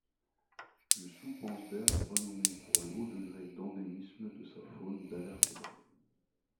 Le Soutpansberg est renommé pour le haut degré d'endémisme de sa faune d'invertébrés.